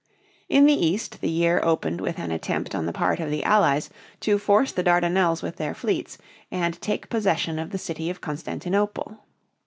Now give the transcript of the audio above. In the east the year opened with an attempt on the part of the Allies to force the Dardanelles with their fleets and take possession of the city of Constantinople.